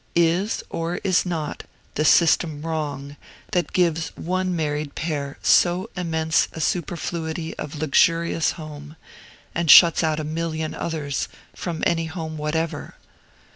Is, or is not, the system wrong that gives one married pair so immense a superfluity of luxurious home, and shuts out a million others from any home whatever?